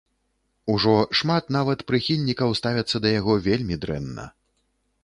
Ужо шмат нават прыхільнікаў ставяцца да яго вельмі дрэнна.